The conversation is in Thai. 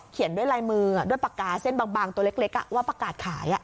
ด้วยลายมือด้วยปากกาเส้นบางตัวเล็กว่าประกาศขาย